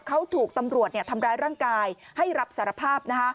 เขาถูกตำรวจทำร้ายร่างกายให้รับสารภาพ